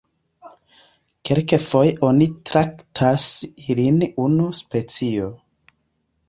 Kelkfoje oni traktas ilin unu specio.